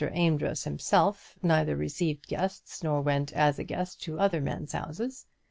Amedroz himself neither received guests nor went as a guest to other men's houses.